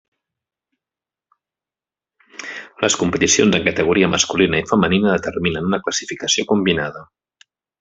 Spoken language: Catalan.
Les competicions en categoria masculina i femenina determinen una classificació combinada.